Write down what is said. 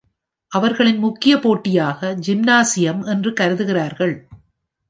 அவர்களின் முக்கிய போட்டியாக ஜிம்னாசியம் என்று கருதுகிறார்கள்.